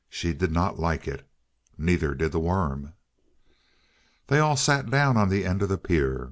She did not like it. Neither did the worm! They all sat down on the end of the pier.